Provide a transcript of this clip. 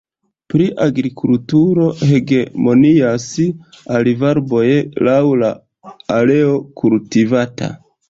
Pri agrikulturo hegemonias olivarboj laŭ la areo kultivata.